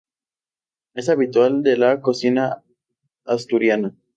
Es habitual de la cocina asturiana.